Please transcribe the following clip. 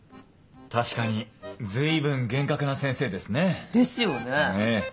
確かに随分厳格な先生ですね。ですよね。